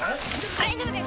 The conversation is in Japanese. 大丈夫です